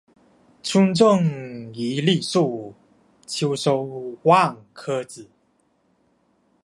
春种一粒粟，秋收万颗子。